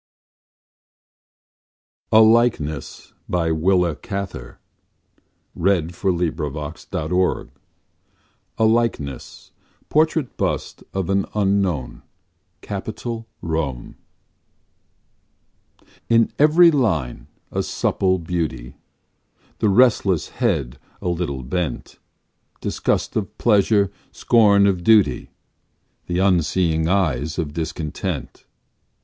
Father, Take Thou our thanks! The Forum Shaemas OSheel A Likeness Portrait Bust of an Unknown, Capitol, Rome In every line a supple beauty The restless head a little bent Disgust of pleasure, scorn of duty, The unseeing eyes of discontent.